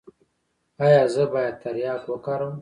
ایا زه باید تریاک وکاروم؟